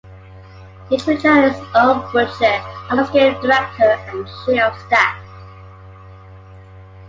Each region has its own budget, administrative director and chief of staff.